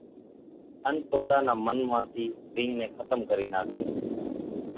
ان پوتا نا من مان ٿي رينۿ نين ختم ڪري ناکي،